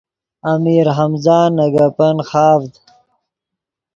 امیر ہمزہ نے گپن خاڤد